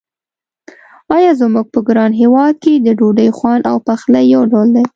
آیا زموږ په ګران هېواد کې د ډوډۍ خوند او پخلی یو ډول دی.